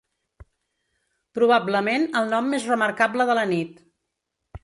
Probablement el nom més remarcable de la nit.